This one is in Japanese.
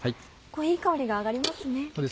いい香りが上がりますね。